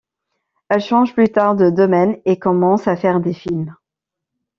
Elle change plus tard de domaine et commence à faire des films.